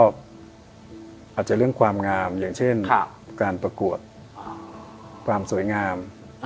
อาจจะเรื่องความงามอย่างเช่นการประกวดความสวยงาม